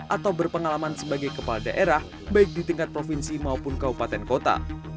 atau berpengalaman sebagai kepala daerah baik di tingkat provinsi maupun kaupaten kota